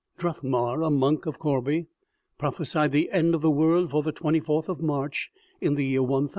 Druthmar, a monk of Corbie, prophesied the end of the world for the 24th of March in the year 1000.